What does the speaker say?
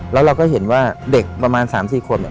แล้วเราก็เห็นว่าเด็กประมาณ๓๔คน